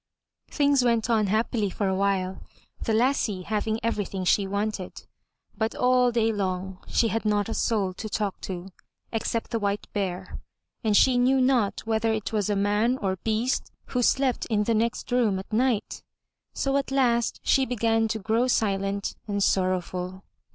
Things went on happily for a while, the lassie having every thing she wanted. But all day long she had not a soul to talk to except the White Bear and she knew not whether it was man or beast who slept in the next room at night. So at last she began to grow silent and sorrowful.